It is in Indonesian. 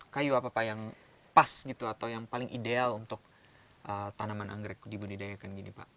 kayu apa pak yang pas gitu atau yang paling ideal untuk tanaman anggrek dibudidayakan gini pak